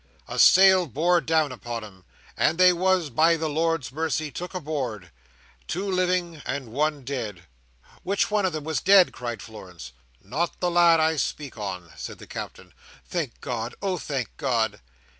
—a sail bore down upon 'em, and they was, by the Lord's mercy, took aboard: two living and one dead." "Which of them was dead?" cried Florence. "Not the lad I speak on," said the Captain. "Thank God! oh thank God!"